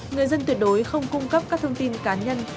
người dân tuyệt đối không cung cấp các thông tin cá nhân